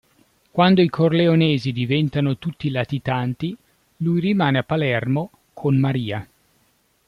Quando i Corleonesi diventano tutti latitanti, lui rimane a Palermo con Maria.